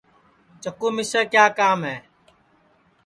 چکُو مِسے کیا کام ہے